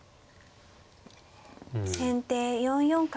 先手４四角。